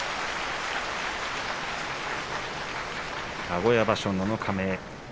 名古屋場所七日目。